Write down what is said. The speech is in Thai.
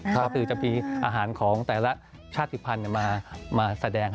ก็คือจะมีอาหารของแต่ละชาติภัณฑ์มาแสดง